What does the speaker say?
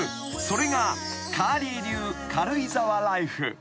それがカーリー流軽井沢ライフ］